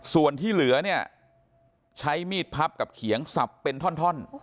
ส่วนที่เหลือเนี่ยใช้มีดพับกับเขียงสับเป็นท่อน